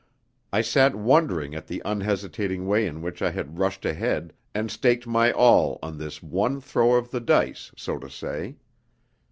I sat wondering at the unhesitating way in which I had rushed ahead, and staked my all on this one throw of the dice, so to say.